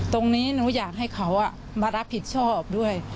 ตรงนี้หนูอยากให้เขามารับผิดชอบด้วย